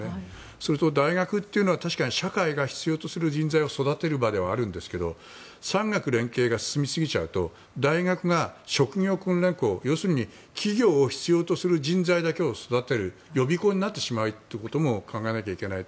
それと大学というのは確かに社会が必要とする人材を育てる場ではありますが産学連携が進みすぎちゃうと大学が、職業訓練校要するに企業が必要とする人材だけを育てる予備校になってしまうということも考えないといけない。